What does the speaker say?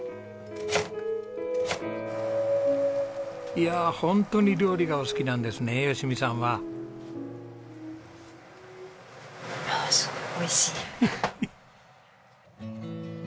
いやあ本当に料理がお好きなんですね吉美さんは。ああすごく美味しい。